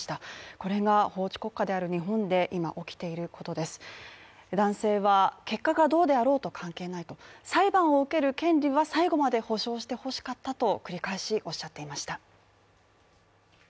これが法治国家である日本で今起きていることです男性は結果がどうであろうと関係ないと裁判を受ける権利は最後まで保障して欲しかったと繰り返しおっしゃっていました。